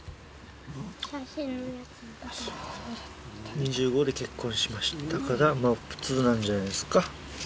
２５で結婚しましたからまぁ普通なんじゃないっすか。